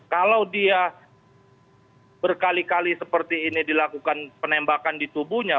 kalau dia berkali kali seperti ini dilakukan penembakan di tubuhnya